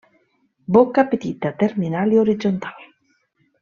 Boca petita, terminal i horitzontal.